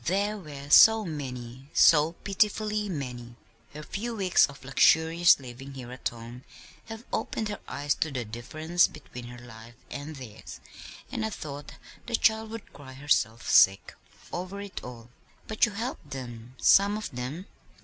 There were so many, so pitifully many. Her few weeks of luxurious living here at home have opened her eyes to the difference between her life and theirs, and I thought the child would cry herself sick over it all." "But you helped them some of them?"